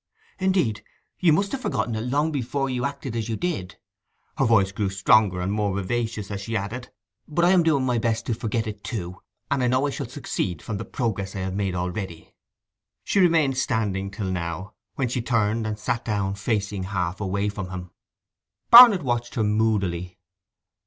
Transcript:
Indeed you must have forgotten it long before you acted as you did.' Her voice grew stronger and more vivacious as she added: 'But I am doing my best to forget it too, and I know I shall succeed from the progress I have made already!' She had remained standing till now, when she turned and sat down, facing half away from him. Barnet watched her moodily.